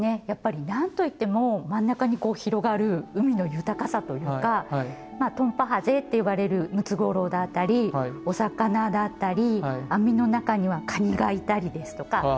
やっぱり何と言っても真ん中に広がる海の豊かさというかまあトンパハゼって呼ばれるムツゴロウだったりお魚だったり網の中にはカニがいたりですとか。